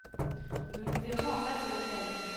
Nous nous verrons en face de l'hôtel.